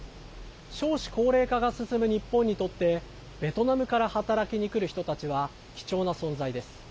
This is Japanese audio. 少子高齢化が進む日本にとってベトナムから働きに来る人たちは貴重な存在です。